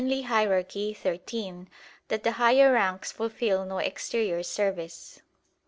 Hier. xiii), that "the higher ranks fulfil no exterior service."